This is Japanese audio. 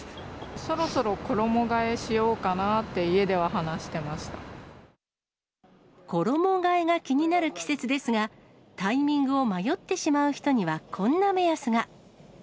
そろそろ衣がえしようかなって、衣がえが気になる季節ですが、タイミングを迷ってしまう人にはこんな目安が。